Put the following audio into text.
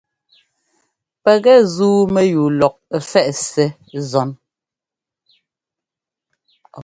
Pɛkɛ zúu mɛyúu lɔk ɛ́fɛꞌ Ssɛ́ zɔ́n.